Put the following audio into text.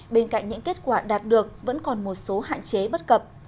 bên cạnh những kết quả đạt được vẫn còn một số hạn chế bất cập